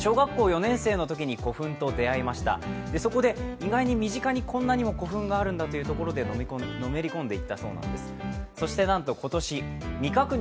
意外に身近に古墳があるんだということでのめり込んでいったそうです。